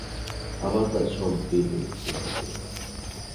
আমার কাজ সব দেব তোর হাতে।